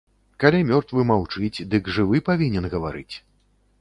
Калі мёртвы маўчыць, дык жывы павінен гаварыць.